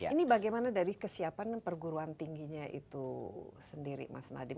ini bagaimana dari kesiapan perguruan tingginya itu sendiri mas nadiem